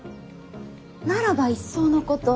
ならばいっそのこと。